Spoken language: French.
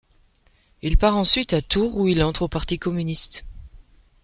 Il part ensuite à Tours où il entre au Parti communiste.